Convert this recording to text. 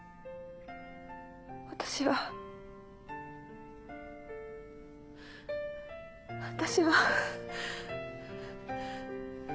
私は私は。